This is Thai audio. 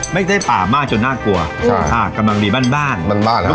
ไม่ได้ป่ามากจนน่ากลัวใช่อ่ากำลังมีบ้านบ้าน